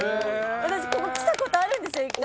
私ここ来たことあるんですよ